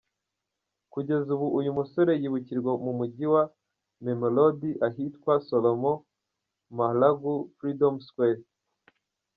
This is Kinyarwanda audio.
Kugeza ubu uyu musore yibukirwa mu Mujyi wa Mamelodi ahitwa Solomon Mahlangu Freedom Square.